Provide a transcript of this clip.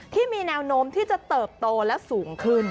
ที่มีแนวโน้มที่จะเติบโตและสูงขึ้น